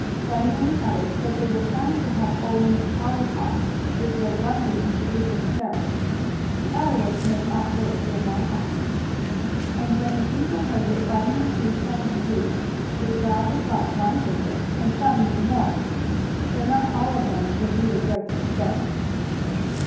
Bunny and the others said they were trying to help Old Miss Hollyhock, which was one reason for giving the show. The other was to make Aunt Lu feel more happy. And when the people heard what Bunny and Sue planned to do, they gladly bought one ticket, and some even more. Though not all of them would really go to the show.